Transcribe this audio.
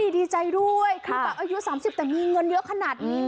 ดีใจด้วยคือปักอายุ๓๐แต่มีเงินเยอะขนาดนี้